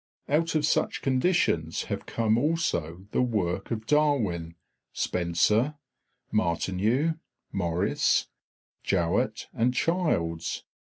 Out of such conditions have come also the work of Darwin, Spencer, Martineau, Maurice, Jowett, and Childs.